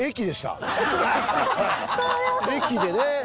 駅でね。